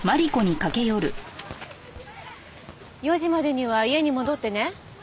４時までには家に戻ってね。